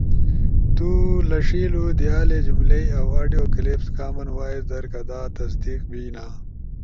تو لݜیِلو دیالے جملئی، اؤ آڈیو کلپس کامن وائس در کدا تصدیق بینا